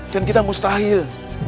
dan kita mustahil